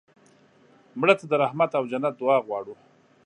مړه ته د رحمت او جنت دعا غواړو